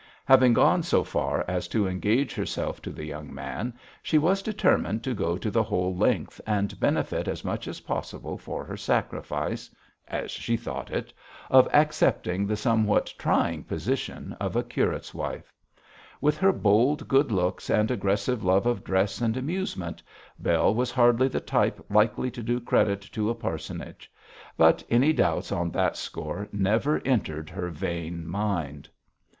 Having gone so far as to engage herself to the young man, she was determined to go to the whole length and benefit as much as possible for her sacrifice as she thought it of accepting the somewhat trying position of a curate's wife. With her bold good looks and aggressive love of dress and amusement, Bell was hardly the type likely to do credit to a parsonage. But any doubts on that score never entered her vain mind.